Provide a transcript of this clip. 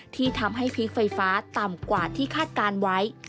ที่ทำให้พีคไฟฟ้าต่ำกว่าที่คาดการณ์ไว้